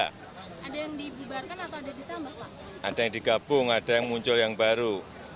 ada yang digabung ada yang muncul yang baru